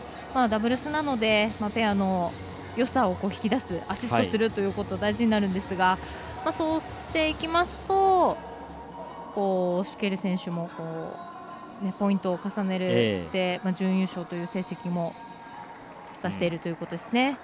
ダブルスなのでペアのよさを引き出すアシストするということが大事になるんですがそうしていきますとシュケル選手もポイントを重ねて準優勝という成績も出しているということですね。